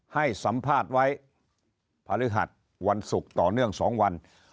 ให้สัมภาษณ์ไว้พฤหัสวันศุกร์ต่อเนื่อง๒วัน